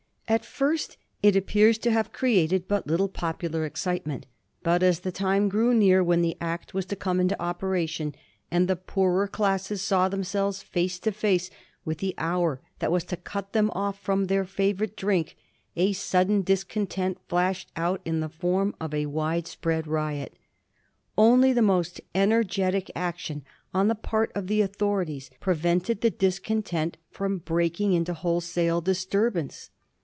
At first it appears to have created but little popular excite ment; but as the time drew near when the Act was to come into operation, and the poorer classes saw them selves face to face with the hour that was to cut them off from their favorite drink, a sudden discontent flashed out in the form of wide spread riot. Only the most ener getic action on the part of the authorities prevented the discontent from breaking into wholesale disturbance.